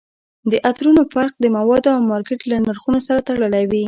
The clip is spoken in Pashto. د عطرونو فرق د موادو او مارکیټ له نرخونو سره تړلی وي